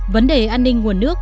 vấn đề an ninh nguồn nước